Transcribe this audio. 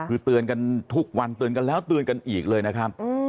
คือเตือนกันทุกวันเตือนกันแล้วเตือนกันอีกเลยนะครับ